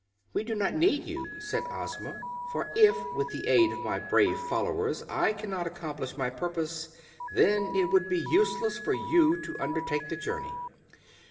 "We do not need you," said Ozma. "For, if with the aid of my brave followers I cannot accomplish my purpose, then it would be useless for you to undertake the journey."